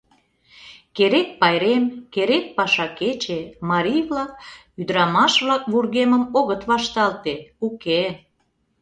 Керек пайрем, керек паша кече — марий-влак, ӱдырамаш-влак вургемым огыт вашталте, уке...